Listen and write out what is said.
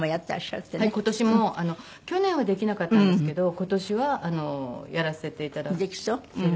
今年も去年はできなかったんですけど今年はやらせて頂けるかなと思っていて。